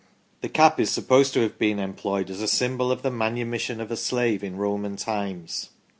The cap is supposed to have been employed as a symbol of the manumission of a slave in Roman times.